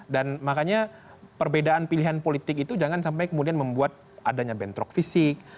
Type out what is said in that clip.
dan makanya perbedaan pilihan politik itu jangan sampai kemudian membuat adanya bentrok fisik